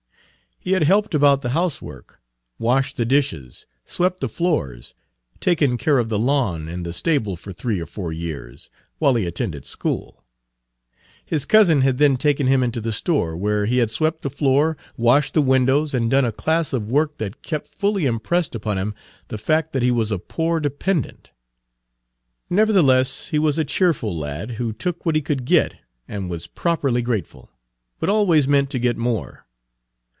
He had helped about the housework, washed the dishes, swept the floors, taken care of the lawn and the stable for three or four years, while he attended school. His cousin had then taken him into the store, where he had swept the floor, washed the windows, and done a class of work that kept fully impressed upon him the fact that he was a poor dependent. Nevertheless he was a cheerful lad, who took what he could get and was properly grateful, but always meant to get more.